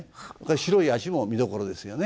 白い足も見どころですよね。